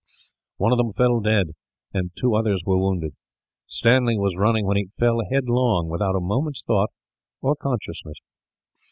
One of them fell dead, and two others were wounded. Stanley was running, when he fell headlong, without a moment's thought or consciousness.